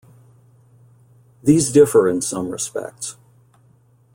These differ in some respects.